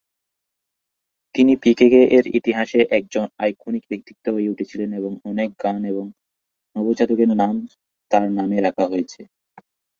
তিনি পিকেকে এর ইতিহাসে একজন আইকনিক ব্যক্তিত্ব হয়ে উঠেছিলেন এবং অনেক গান এবং নবজাতকের নাম তার নামে রাখা হয়েছে।